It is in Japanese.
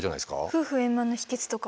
夫婦円満の秘けつとか。